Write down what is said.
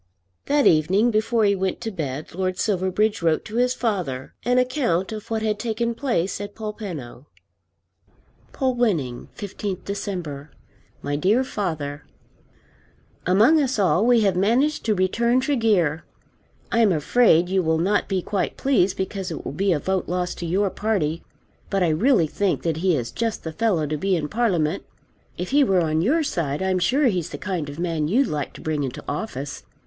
That evening before he went to bed Lord Silverbridge wrote to his father an account of what had taken place at Polpenno. Polwenning, 15th December. MY DEAR FATHER, Among us all we have managed to return Tregear. I am afraid you will not be quite pleased because it will be a vote lost to your party. But I really think that he is just the fellow to be in Parliament. If he were on your side I'm sure he's the kind of man you'd like to bring into office.